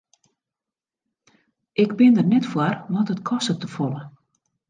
Ik bin der net foar want it kostet te folle.